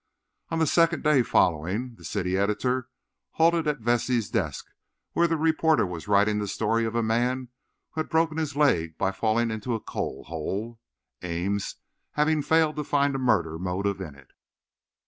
On the second day following, the city editor halted at Vesey's desk where the reporter was writing the story of a man who had broken his leg by falling into a coal hole—Ames having failed to find a murder motive in it.